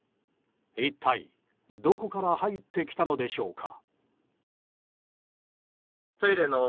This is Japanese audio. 一体どこから入ってきたのでしょうか。